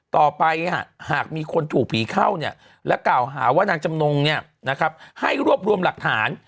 ต่อไปหากมีคนถูกผีเข้าและกล่าวหาว่านางจำนงให้รวบรวมหลักฐาน